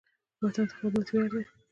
وطن ته خدمت ویاړ دی